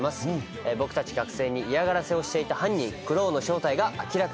僕たち学生に嫌がらせをしていた犯人ｃｒｏｗの正体が明らかになります。